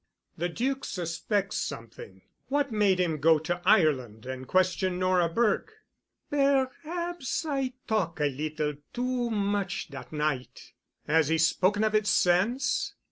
"The Duc suspects something. What made him go to Ireland and question Nora Burke?" "Perhaps I talk' a little too much dat night——" "Has he spoken of it since?"